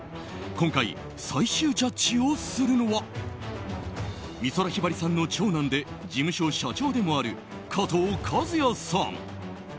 今回、最終ジャッジをするのは美空ひばりさんの長男で事務所社長でもある加藤和也さん。